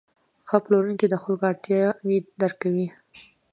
ښه پلورونکی د خلکو اړتیاوې درک کوي.